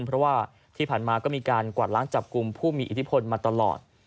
เพราะว่าที่ผ่านมาก็มีการกวาดล้างจับกลุ่มผู้มีอิทธิพลมาตลอด